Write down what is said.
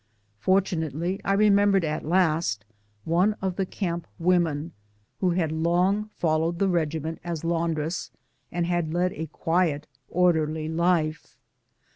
Fortunately, I remembered at last one of the camp women, who had long followed the regiment as laundress, and had led a quiet, orderly life.